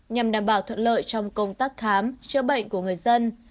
nhằm đảm bảo thuận lợi trong công tác khám chữa bệnh của người dân